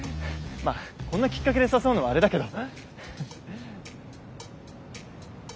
まあこんなきっかけで誘うのはあれだけど。